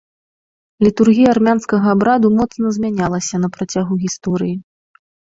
Літургія армянскага абраду моцна змянялася на працягу гісторыі.